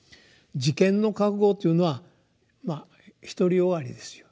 「自見の覚悟」というのはまあ独り善がりですよ。